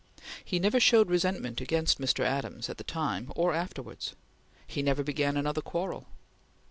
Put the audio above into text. He never showed resentment against Mr. Adams at the time or afterwards. He never began another quarrel.